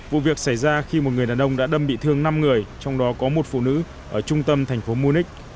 vụ việc xảy ra khi một người đàn ông đã đâm bị thương năm người trong đó có một phụ nữ ở trung tâm thành phố munich